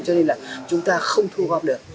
cho nên là chúng ta không thu gom được